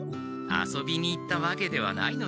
遊びに行ったわけではないので。